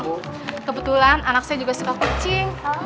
kebetulan anak saya juga suka kucing